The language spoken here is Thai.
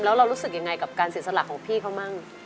แล้วเรารู้สึกยังไงกับการเสียสละของพี่เขามั่ง